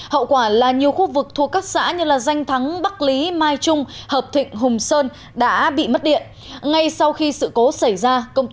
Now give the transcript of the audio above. hậu quả là nhiều khu vực thuộc các xã như là danh thắng bắc lý mai trung hợp thịnh hùng sơn đã bị mất điện